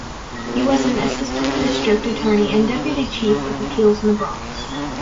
He was an assistant district attorney and Deputy Chief of Appeals in the Bronx.